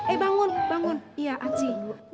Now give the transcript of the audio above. eh bangun bangun iya aci